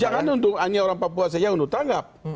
jangan hanya untuk orang papua saja untuk tangkap